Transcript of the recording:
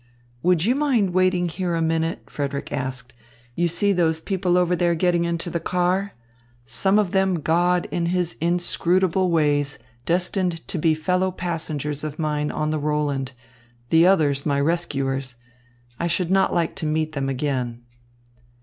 "Would you mind waiting here a minute?" Frederick asked. "You see those people over there getting into the car? Some of them God in his inscrutable ways destined to be fellow passengers of mine on the Roland, the others my rescuers. I should not like to meet them again."